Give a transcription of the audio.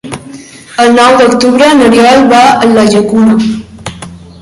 El nou d'octubre n'Oriol va a la Llacuna.